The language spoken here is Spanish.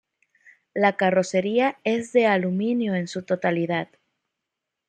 La carrocería es de aluminio en su totalidad.